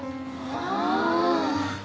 ああ！